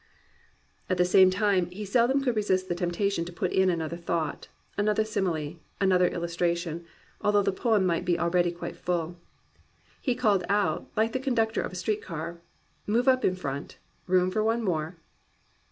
At the same time he seldom could resist the tempta tion to put in another thought, another simile, an other illustration, although the poem might be al ready quite full. He called out, like the conductor of a street car, "Move up in front: room for one more